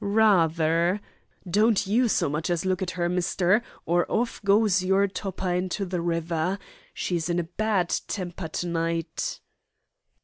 "Ra ther. Don't you so much as look at her, mister, or off goes your topper into the river. She's in a bad temper to night."